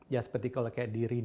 ya seperti kalau kayak di rina